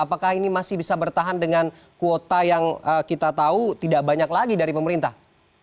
apakah ini masih bisa bertahan dengan kuota yang kita tahu tidak banyak lagi dari pemerintah